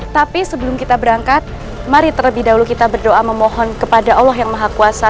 tapi sebelum kita berangkat mari terlebih dahulu kita berdoa memohon kepada allah yang maha kuasa